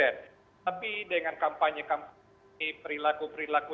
tapi dengan kampanye kampanye perilaku perilaku